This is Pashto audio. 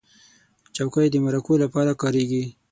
چوکۍ د مرکو لپاره کارېږي.